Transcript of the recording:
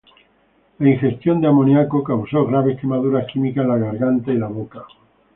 La ingestión de amoníaco causó graves quemaduras químicas en la garganta y la boca.